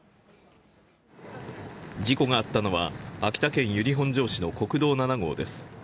事故があったのは秋田県由利本荘市の国道７号です。